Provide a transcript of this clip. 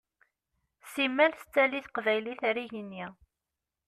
Simmal tettali teqbaylit ar igenni.